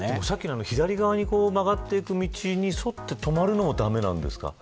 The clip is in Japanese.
左側に曲がっていく道に沿って止まるのも駄目なんですか。